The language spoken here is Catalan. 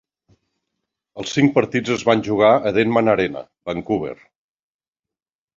Els cinc partits es van jugar a Denman Arena, Vancouver.